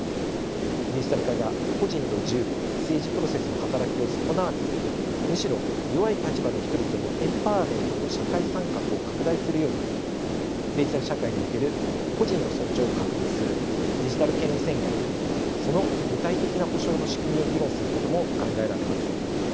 デジタル化が個人の自由と政治プロセスの働きを損なわずむしろ弱い立場の人々のエンパワーメントと社会参画を拡大するようにデジタル社会における個人の尊重を確立するデジタル権利宣言とその具体的な保障の仕組みを議論することも考えられます。